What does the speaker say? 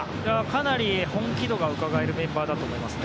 かなり本気度がうかがえるメンバーだと思います。